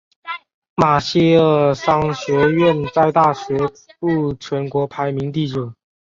马歇尔商学院在大学部全国排名第九。